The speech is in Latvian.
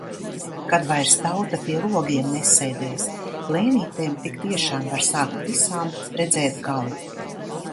Kad vairs tauta pie logiem nesēdēs. Lēnītēm tik tiešām var sākt visām redzēt galu.